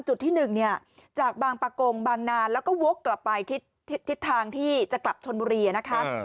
ที่๑เนี่ยจากบางประกงบางนานแล้วก็วกกลับไปทิศทางที่จะกลับชนบุรีนะคะ